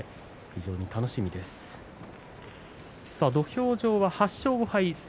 非常に楽しみな一番です。